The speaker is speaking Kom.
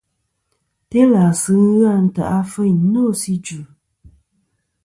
Telàsɨ ghɨ a ntè' afeyn nô sɨ idvɨ̀.